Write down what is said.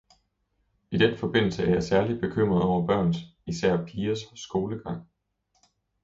I den forbindelse er jeg særlig bekymret over børns, især pigers, skolegang.